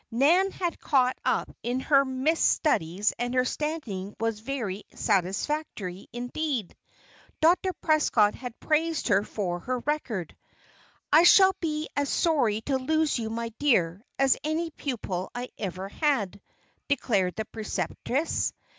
Nan had caught up in her missed studies and her standing was very satisfactory, indeed. Dr. Prescott had praised her for her record. "I shall be as sorry to lose you, my dear, as any pupil I ever had," declared the preceptress.